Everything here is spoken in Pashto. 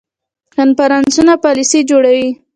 کنفرانسونه پالیسي جوړوي